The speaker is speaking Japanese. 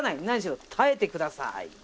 何しろ耐えてください。